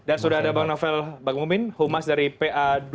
dan sudah ada bang novel bang mumin humas dari pa dua ratus dua belas